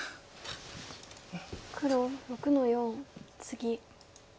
黒６の四ツギ。